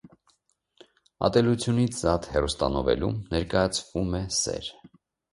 Ատելությունից զատ հեռուստանովելում ներկայացվում է սեր։